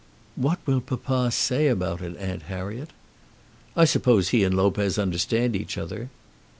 "What will papa say about it, Aunt Harriet?" "I suppose he and Lopez understand each other."